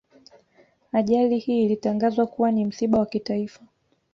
Ajali hii ilitangazwa kuwa ni msiba wa kitaifa